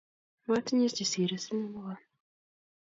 Matinye che sirei siling pokol